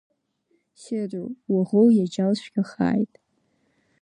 Седроу, уаӷоу иаџьал цәгьахааит!